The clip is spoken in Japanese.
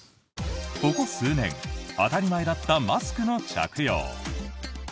ここ数年、当たり前だったマスクの着用。